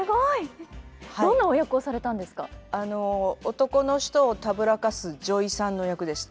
男の人をたぶらかす女医さんの役でした。